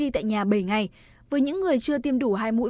tại nhà bảy ngày với những người chưa tiêm đủ hai mũi